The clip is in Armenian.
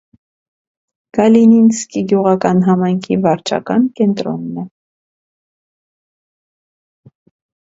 Կալինինսկի գյուղական համայնքի վարչական կենտրոնն է։